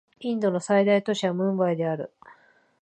インドの最大都市はムンバイである